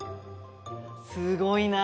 すごいな！